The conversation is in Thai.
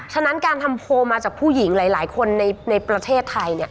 ฉะนั้นการทำโพลมาจากผู้หญิงหลายคนในประเทศไทย